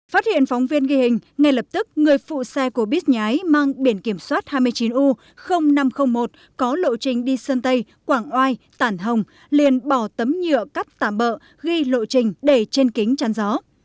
phát hiện phóng viên ghi hình ngay lập tức người phụ xe của bít nhái mang biển kiểm soát hai mươi chín u năm trăm linh một có lộ trình đi sơn tây quảng oai tản hồng liền bỏ tấm nhựa cắt tạm bỡ ghi lộ trình để trên kính chăn gió